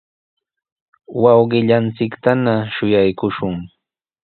wawqillanchiktana shuyaakushun.